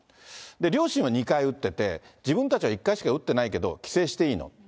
両親は２回打ってて、自分たちは１回しか打ってないけど帰省していいの？